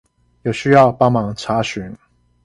有需要幫忙查詢